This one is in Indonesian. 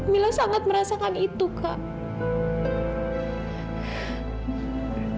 mila sangat merasakan itu kak